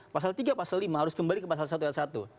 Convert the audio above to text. pasal tiga pasal lima harus kembali ke pasal satu ayat satu